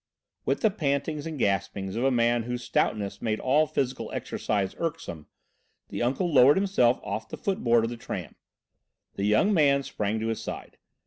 With the pantings and gaspings of a man whose stoutness made all physical exercise irksome, the uncle lowered himself off the footboard of the tram. The young man sprang to his side.